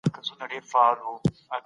زړورتیا د ټولني د یوې برخې ځانګړتیا وه.